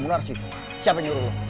narsih siapa yang nyuruh lo